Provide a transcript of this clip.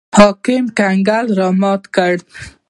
حاکم کنګل رامات کړي.